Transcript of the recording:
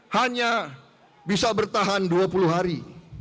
hanya bisa bertahan dua puluh hari